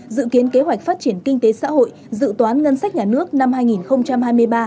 dự kiến kế hoạch phát triển kinh tế xã hội dự toán ngân sách nhà nước năm hai nghìn hai mươi ba